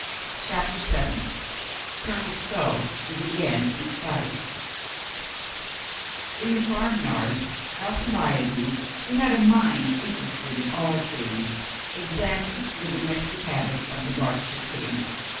CHAPTER SEVEN COLONEL STOW IS AGAIN INSPIRED IN the farm yard Alciblade, who had a mind inter ested in all things, examined the domestic habits of the Berkshire pig.